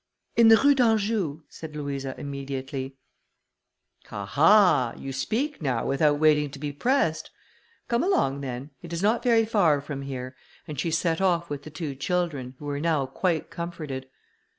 "In the Rue d'Anjou," said Louisa, immediately. "Ha! ha! You can speak now without waiting to be pressed; come along, then; it is not very far from here," and she set off with the two children, who were now quite comforted.